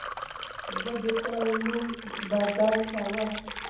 زه د فایل نوم بدل کوم.